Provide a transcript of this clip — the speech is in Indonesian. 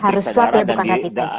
harus swab ya bukan rapid test